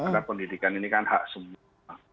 karena pendidikan ini kan hak semua